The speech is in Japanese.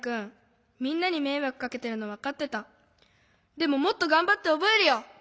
でももっとがんばっておぼえるよ。